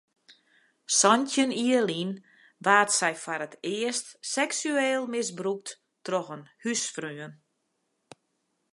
Santjin jier lyn waard sy foar it earst seksueel misbrûkt troch in húsfreon.